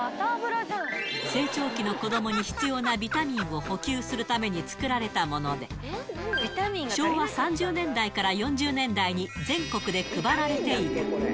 成長期の子どもに必要なビタミンを補給するために作られたもので、昭和３０年代から４０年代に全国で配られていた。